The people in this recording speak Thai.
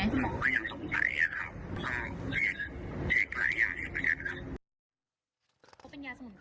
คุณหมอมันยังสงสัยนะครับเพราะวิทยาวิทยาที่ประเทศครับ